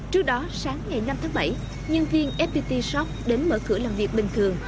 trước đó sáng ngày năm tháng bảy nhân viên fpt shop đến mở cửa làm việc bình thường